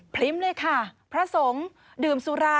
พลิ้มเลยค่ะพระสงฆ์ดื่มสุรา